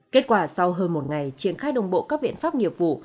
kết quả sau hơn một ngày triển khai đồng bộ các biện pháp nghiệp vụ